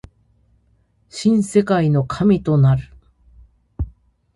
新世界の神となる